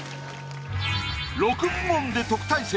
６部門で特待生。